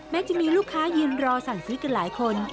จะมีลูกค้ายืนรอสั่งซื้อกันหลายคน